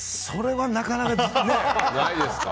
それはなかなか。